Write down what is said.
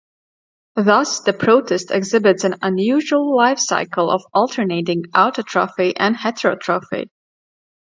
Thus, the protist exhibits an unusual life cycle of alternating autotrophy and heterotrophy.